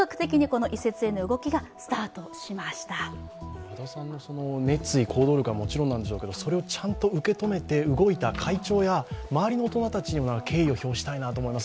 和田さんの熱意、行動力はもちろんなんでしょうけどそれをちゃんと受け止めて動いた会長や周りの大人たちにも敬意を表したいなと思います。